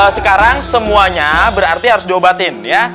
sekarang semuanya berarti harus diobatin ya